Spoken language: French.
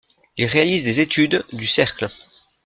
Il réalise des études, du Cercle.